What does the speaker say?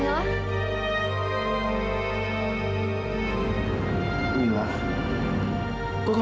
peninggah kita batal